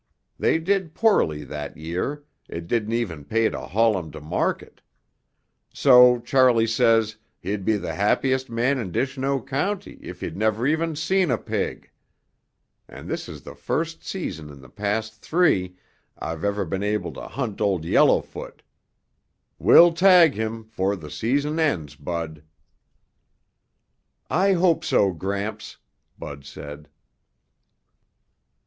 They did poorly that year, it didn't even pay to haul 'em to market. So Charley says he'd be the happiest man in Dishnoe County if he'd never even seen a pig. And this is the first season in the past three I've ever been able to hunt Old Yellowfoot. We'll tag him 'fore the season ends, Bud." "I hope so, Gramps," Bud said.